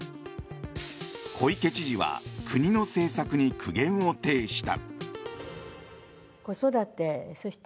小池知事は国の政策に苦言を呈した。